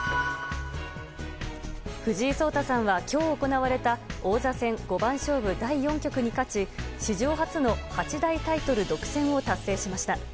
藤井聡太さんは今日行われた王座戦五番勝負第４局に勝ち史上初の八大タイトル独占を達成しました。